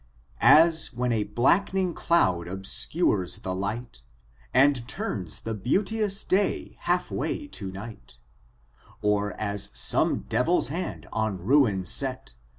As when a black'ning clond obscnres the light. And tarns the beanteons day half way to night * Or as some deviPt hand on min set.